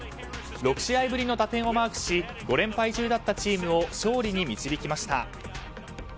６試合ぶりの打点をマークし５連敗中だったチームを勝利に導きました。